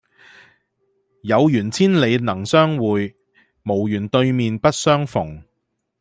有緣千里能相會，無緣對面不相逢。